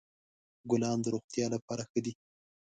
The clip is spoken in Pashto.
ګلان د روغتیا لپاره ښه دي.